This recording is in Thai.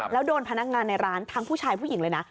แล้วโดนพนักงานในร้านทั้งผู้ชายผู้หญิงเลยนะ